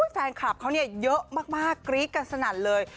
แฟนคลับเขาเนี่ยเยอะมากกรี๊ดกันสนั่นเลย